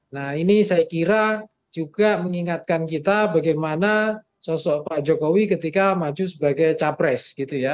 nah ini saya kira juga mengingatkan kita bagaimana sosok pak jokowi ketika maju sebagai capres gitu ya